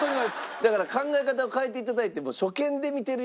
だから考え方を変えて頂いて。